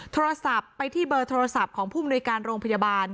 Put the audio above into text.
โทรศัพท์ไปที่เบอร์โทรศัพท์ของผู้มนุยการโรงพยาบาล